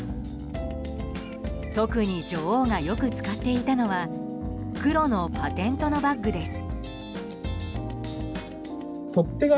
特に女王がよく使っていたのは黒のパテントのバッグです。